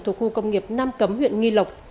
thuộc khu công nghiệp nam cấm huyện nghi lộc